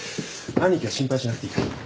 兄貴は心配しなくていいから。